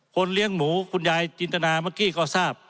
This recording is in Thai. เลี้ยงหมูคุณยายจินตนาเมื่อกี้ก็ทราบ